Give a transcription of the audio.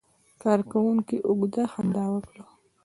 کارکونکي اوږده خندا وکړه.